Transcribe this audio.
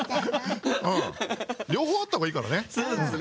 両方あったほうがいいからね。